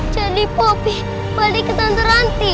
jadi popi balik ke tante ranti